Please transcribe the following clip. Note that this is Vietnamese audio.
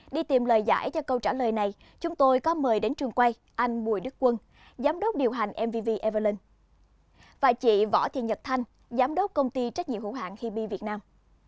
đi tìm lời giải cho câu trả lời này chúng tôi có mời đến trường quay anh bùi đức quân giám đốc điều hành mvv evalon và chị võ thị nhật thanh giám đốc công ty trách nhiệm hữu hạng hibi việt nam